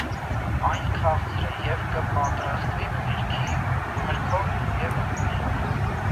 Այն քաղցր է եւ կը պատրաստուի միրգով ու ընկոյզով։